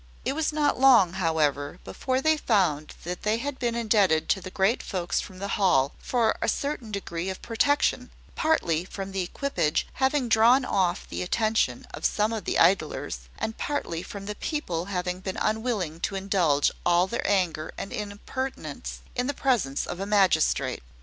It was not long, however, before they found that they had been indebted to the great folks from the Hall for a certain degree of protection, partly from the equipage having drawn off the attention of some of the idlers, and partly from the people having been unwilling to indulge all their anger and impertinence in the presence of a magistrate.